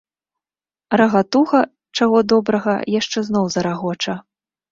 Рагатуха, чаго добрага, яшчэ зноў зарагоча.